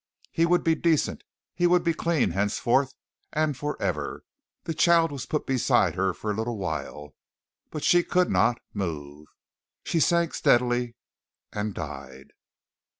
He would be decent he would be clean henceforth and for ever. The child was put beside her for a little while, but she could not move. She sank steadily and died.